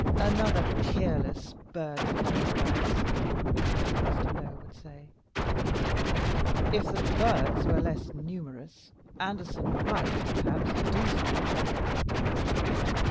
"Another peerless Bird of Paradise," Mr. Blow would say. "If the birds were less numerous, Anderson might, perhaps, do something."